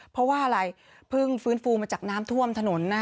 เพราะว่าอะไรเพิ่งฟื้นฟูมาจากน้ำท่วมถนน